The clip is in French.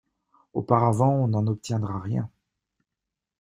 Auparavant on n'en obtiendra rien.